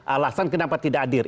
alasan kenapa tidak hadir